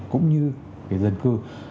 cũng như dân cư